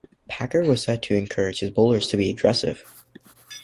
Packer was said to encourage his bowlers to be aggressive.